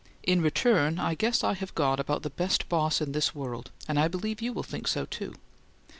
In return I guess I have got about the best boss in this world and I believe you will think so too.